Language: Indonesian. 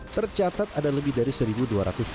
tercatat ada lebih dari satu dua ratus orang